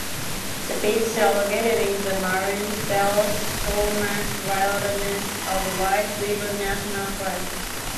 The peaks are located in the Maroon Bells-Snowmass Wilderness of White River National Forest.